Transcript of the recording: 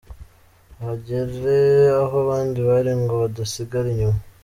bagere aho abandi bari ngo badasigara inyuma.